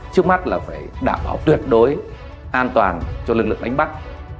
trước mắt là phải đảm bảo tuyệt đối an toàn cho lực lượng đánh bắt